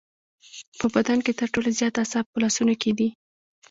په بدن کې تر ټولو زیات اعصاب په لاسونو کې دي.